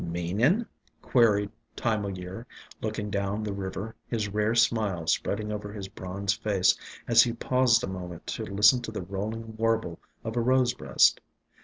"Meaning?" queried Time o' Year, looking down the river, his rare smile spreading over his bronzed face as he paused a moment to listen to the rolling warble of a rose breast.